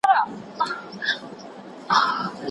غوايي هم وکړل پاچا ته سلامونه